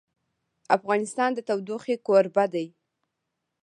افغانستان د تودوخه کوربه دی.